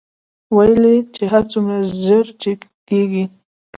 ویل یې هر څومره ژر چې کېږي.